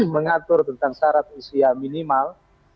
mengatur tentang syarat usia minimal